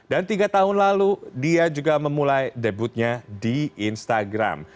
dan tiga tahun lalu dia juga memulai debutnya di instagram